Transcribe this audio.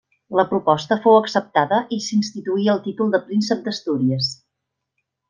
La proposta fou acceptada i s'instituí el títol de Príncep d'Astúries.